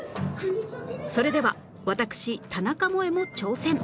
それでは私田中萌も挑戦